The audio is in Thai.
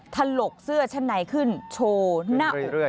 ถลกเสื้อชั้นในขึ้นโชว์หน้าอกขึ้นเรื่อย